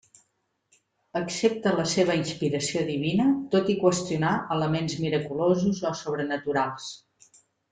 Accepta la seva inspiració divina tot i qüestionar elements miraculosos o sobrenaturals.